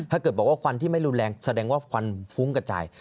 ถ้าเกิดบอกว่าควันที่ไม่รุนแรงแสดงว่าควันฟุ้งกระจาย